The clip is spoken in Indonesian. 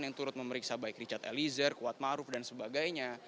yang turut memeriksa baik richard eliezer kuatmaruf dan sebagainya